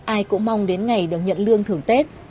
ai cũng mong đến ngày được nhận lương thưởng tết